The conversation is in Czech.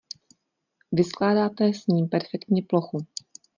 Vyskládáte s ním perfektně plochu.